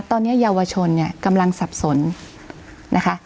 ตอนนี้เยาวชนเนี่ยกำลังสับสนนะคะ